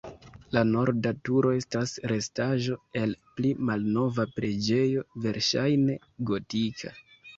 La norda turo estas restaĵo el pli malnova preĝejo, verŝajne gotika.